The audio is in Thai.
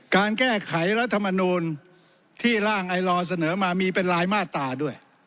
การแก้ไขรัฐมนูลที่ร่างไอลอเสนอมามีเป็นรายมาตราด้วย